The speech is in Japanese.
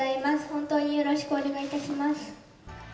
本当によろしくお願いいたします。